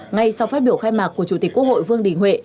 ngay sau phát biểu khai mạc của chủ tịch quốc hội vương đình huệ